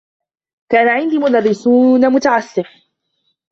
كان عندي مدرّسون متعسّف.